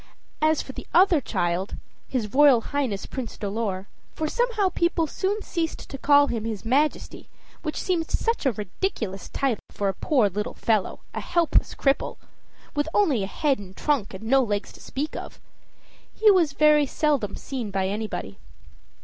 As for the other child, his Royal Highness Prince Dolor, for somehow people soon ceased to call him his Majesty, which seemed such a ridiculous title for a poor little fellow, a helpless cripple, with only head and trunk, and no legs to speak of, he was seen very seldom by anybody.